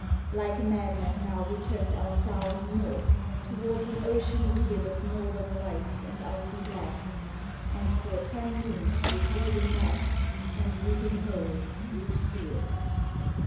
Like madmen now we turned our prow North, towards an ocean weird Of Northern Lights and icy blasts; And for ten moons with reeling masts And leaking hold we steered.